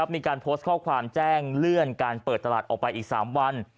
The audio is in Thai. มีการโพสต์ข้อความแจ้งเลื่อนการเปิดตลาดออกไปอีก๓วัน